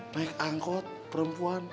naik angkot perempuan